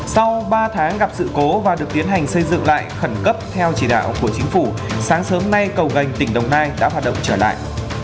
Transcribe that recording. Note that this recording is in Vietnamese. sau ba tháng gặp sự cố và được tiến hành xây dựng lại khẩn cấp theo chỉ đạo của chính phủ sáng sớm nay cầu gành tỉnh đồng nai đã hoạt động trở lại